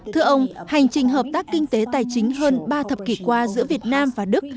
thưa ông hành trình hợp tác kinh tế tài chính hơn ba thập kỷ qua giữa việt nam và đức